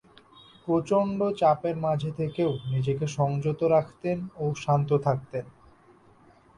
প্রচণ্ড চাপের মাঝে থেকেও নিজেকে সংযত রাখতেন ও শান্ত থাকতেন।